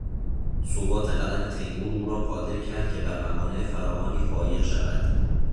ثبات قدم تیمور او را قادر کرد که بر موانع فراوانی فایق شود.